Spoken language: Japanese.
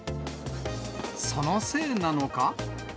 そのせいなのか。